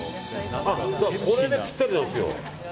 これでぴったりですよ。